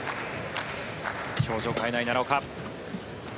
表情変えない奈良岡。